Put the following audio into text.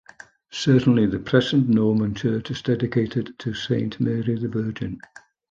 Certainly the present Norman church is dedicated to Saint Mary the Virgin.